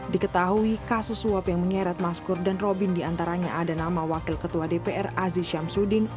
diketahui kasus suap yang menyeret maskur dan robin diantaranya ada nama wakil ketua dpr aziz syamsuddin